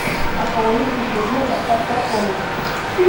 Аха ауаҩытәыҩса игәы аҽаԥсахуану!